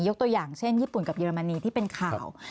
ตัวอย่างเช่นญี่ปุ่นกับเยอรมนีที่เป็นข่าว